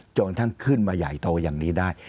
กระทั่งขึ้นมาใหญ่โตอย่างนี้ได้